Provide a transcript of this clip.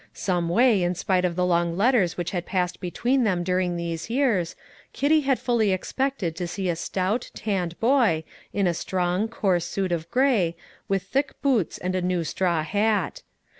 Some way, in spite of the long letters which had passed between them during these years, Kitty had fully expected to see a stout, tanned boy, in a strong, coarse suit of grey, with thick boots and a new straw hat.